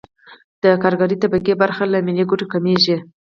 د کارګرې طبقې برخه له ملي ګټو کمېږي